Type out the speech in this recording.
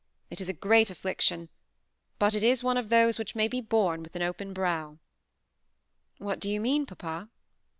It is a great affliction; but it is one of those which may be borne with an open brow." "What do you mean, papa?"